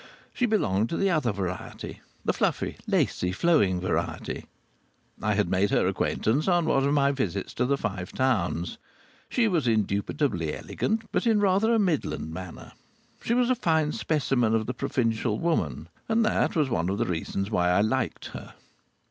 She belonged to the other variety the fluffy, lacy, flowing variety. I had made her acquaintance on one of my visits to the Five Towns. She was indubitably elegant, but in rather a Midland manner. She was a fine specimen of the provincial woman, and that was one of the reasons why I liked her.